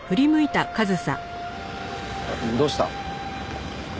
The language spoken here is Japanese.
どうした？